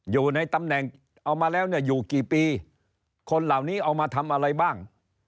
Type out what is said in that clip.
อยู่ในตำแหน่งเอามาแล้วเนี่ยอยู่กี่ปีคนเหล่านี้เอามาทำอะไรบ้าง